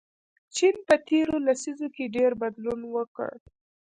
چین په تیرو لسیزو کې ډېر بدلون وکړ.